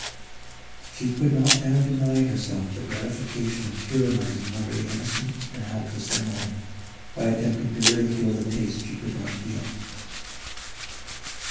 She could not now deny herself the gratification of tyrannising over the innocent and helpless Emily, by attempting to ridicule the taste she could not feel.